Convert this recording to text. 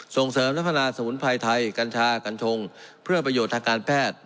ส่งเสริมพัฒนาสมุนไพรไทยกัญชากัญชงเพื่อประโยชน์ทางการแพทย์